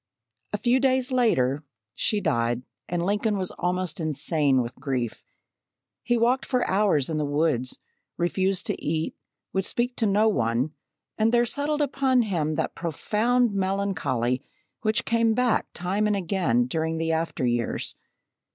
A few days later, she died and Lincoln was almost insane with grief. He walked for hours in the woods, refused to eat, would speak to no one, and there settled upon him that profound melancholy which came back, time and again, during the after years.